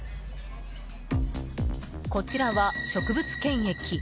こちらは植物検疫。